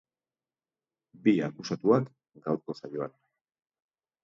Bi akusatuak, gaurko saioan.